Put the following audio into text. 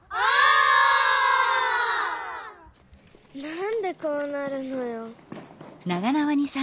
なんでこうなるのよ。